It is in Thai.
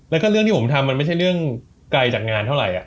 แล้วก็เรื่องที่ผมทำมันไม่ใช่เรื่องไกลจากงานเท่าไหร่